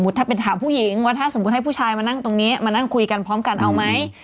ถามผู้หญิงว่าให้ผู้ชายมานั่งตรงนี้คุยกันพร้อมกันเอามั้ย